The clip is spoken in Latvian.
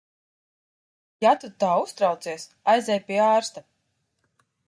Ja tu tā uztraucies, aizej pie ārsta.